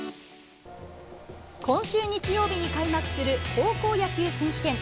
今週日曜日に開幕する高校野球選手権。